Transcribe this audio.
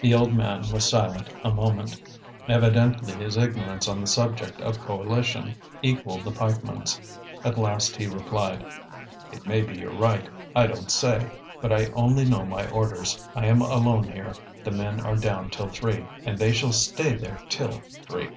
The old man was silent a moment. Evidently his ignorance on the subject of coalition equalled the pikeman's. At last he replied: "It may be your right, I don't say. But I only know my orders. I am alone here; the men are down till three, and they shall stay there till three."